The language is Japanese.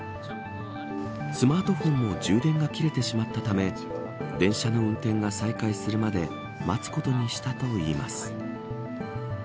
スマートフォンも充電が切れてしまったため電車の運転が再開するまで待つことにしたといいます。